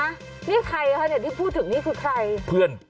นี่ใครอะที่พูดถึงนี่คือใคร